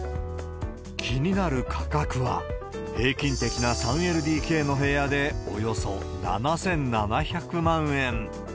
気になる価格は、平均的な３ＬＤＫの部屋でおよそ７７００万円。